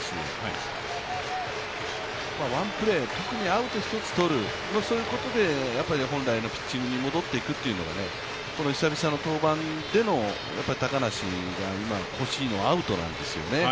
ワンプレー、特にアウト１つ取ることで本来のピッチングに戻っていくというのが久々の登板での高梨が今、欲しいのはアウトなんですよね。